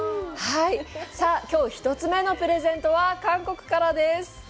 さあ、きょう１つ目のプレゼントは韓国からです。